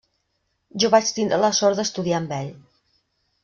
Jo vaig tindre la sort d'estudiar amb ell.